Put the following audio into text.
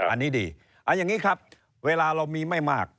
อันนี้ดีเอาอย่างนี้ครับเวลาเรามีไม่มาก